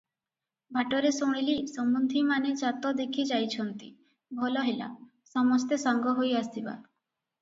ବାଟରେ ଶୁଣିଲି ସମୁନ୍ଧିମାନେ ଯାତ ଦେଖି ଯାଇଛନ୍ତି, ଭଲ ହେଲା, ସମସ୍ତେ ସାଙ୍ଗ ହୋଇ ଆସିବା ।